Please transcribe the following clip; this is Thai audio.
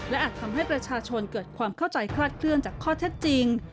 อาจทำให้ประชาชนเกิดความเข้าใจคลาดเคลื่อนจากข้อเท็จจริง